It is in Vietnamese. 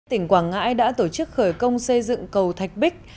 tỉnh quảng ngãi đã tổ chức khởi công xây dựng cầu thạch bích